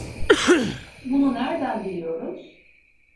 Bunu nereden biliyoruz?